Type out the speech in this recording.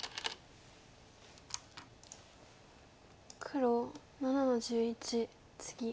黒７の十一ツギ。